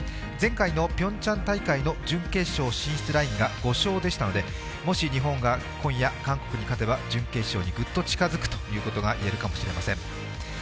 前回のピョンチャン大会の準決勝進出ラインが５勝でしたので、もし日本が今夜、韓国に勝てば準決勝にぐっと近づくということがいえるかもしれません。